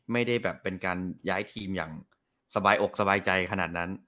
ไม่ได้แบบเป็นการย้ายทีมอย่างสบายอกสบายใจขนาดนั้น